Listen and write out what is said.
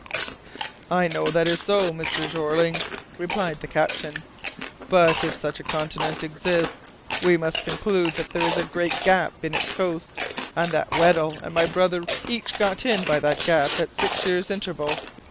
"I know that is so, Mr. Jeorling," replied the captain, "but if such a continent exists, we must conclude that there is a great gap in its coast, and that Weddell and my brother each got in by that gap at six years' interval.